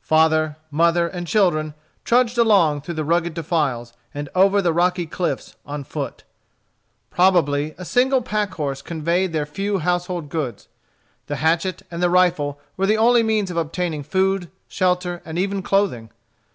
Father, mother, and children trudged along through the rugged defiles and over the rocky cliffs, on foot. Probably a single pack horse conveyed their few household goods. The hatchet and the rifle were the only means of obtaining food, shelter, and even clothing.